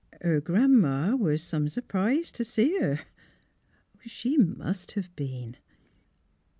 " Her Gran 'ma was some s 'prised t' see her." " She must have been."